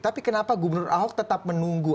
tapi kenapa gubernur ahok tetap menunggu